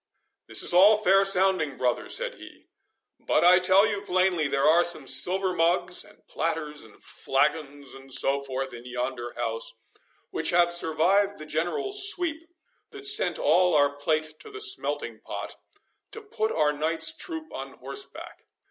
"This is all fair sounding, brother," said he; "but I tell you plainly there are some silver mugs, and platters, and flagons, and so forth, in yonder house, which have survived the general sweep that sent all our plate to the smelting pot, to put our knight's troop on horseback.